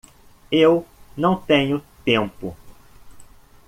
Eu não tenho tempo